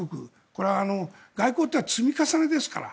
これは外交というのは積み重ねですから。